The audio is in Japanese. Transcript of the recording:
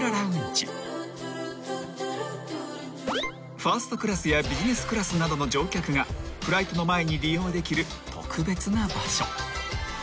［ファーストクラスやビジネスクラスなどの乗客がフライトの前に利用できる特別な場所］